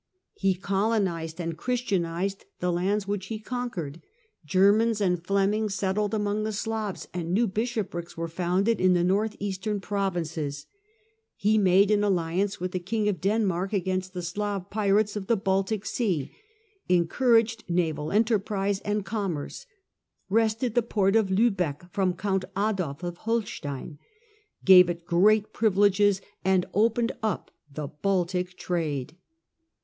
"^ He colonized and Christianized the lands which he conquered. Germans and Flemings settled among the Slavs, and new bishoprics were founded in the north eastern provinces. He made an alliance with the King of Denmark against the Slav pirates of the Baltic Sea, encouraged naval enterprise and commerce, wrested the port of Liibeck from Count Adolf of Holstein, gave it great privileges, and opened up the Baltic trade.